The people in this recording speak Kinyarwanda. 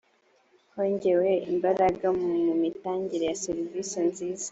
hongewe imbaraga mu mitangire ya serivisi nziza